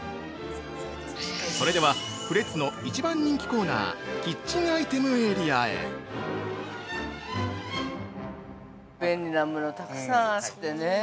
それでは、フレッツの一番人気コーナー、キッチンアイテムエリアへ◆便利なものがたくさんあってね。